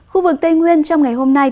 khu vực tây nguyên trong ngày hôm nay